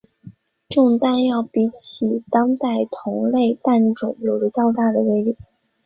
这种弹药比起当代的同类弹种有着较大的威力。